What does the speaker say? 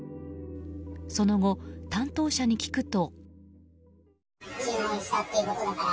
その後、担当者に聞くと。